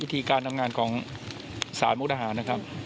ทีการทำงานของสารมุกดาหารนะครับ